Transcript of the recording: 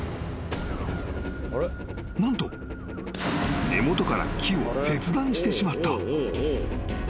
［何と根元から木を切断してしまった］